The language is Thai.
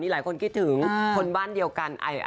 หลายคนคิดถึงคนบ้านเดียวกัน